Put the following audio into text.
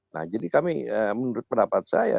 nah jadi kami menurut pendapat saya